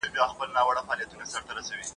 لکه نه وي پردې مځکه زېږېدلی !.